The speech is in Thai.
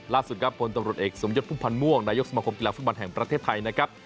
ล่าสุดครับพลตำรวจเอกสมยศพุ่มพันธ์ม่วงนายกสมคมกีฬาฟุตบอลแห่งประเทศไทยนะครับ